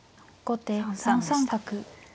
後手３三角。